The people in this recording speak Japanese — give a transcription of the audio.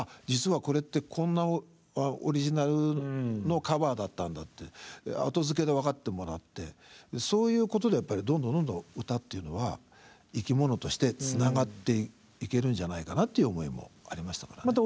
実はこれってこんなオリジナルのカバーだったんだって後付けで分かってもらってそういうことでどんどんどんどん歌っていうのは生き物としてつながっていけるんじゃないかなっていう思いもありましたからね。